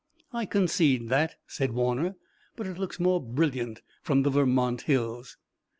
"I concede that," said Warner; "but it looks more brilliant from the Vermont hills."